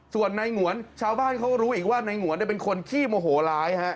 ส่วนในหงวนชาวบ้านเขารู้อีกว่านายหงวนเป็นคนขี้โมโหร้ายฮะ